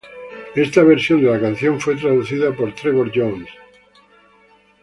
Esta versión de la canción fue producida por Trevor Jones.